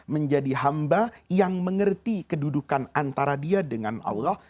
menjadi hamba yang mengerti kedudukan antara dia dengan allah